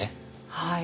はい。